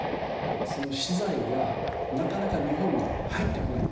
その資材がなかなか日本に入ってこない。